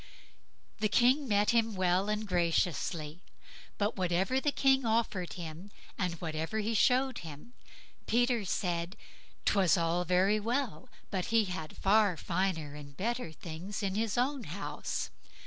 The King met him well and graciously; but whatever the King offered him, and whatever he showed him, Peter said, 'twas all very well, but he had far finer and better things in his own house.